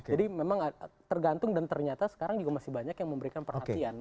jadi memang tergantung dan ternyata sekarang juga masih banyak yang memberikan perhatian